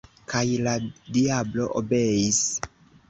» kaj la diablo obeis.